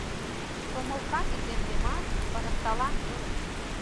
Сомылкам иземдемат, ырыкталам веле.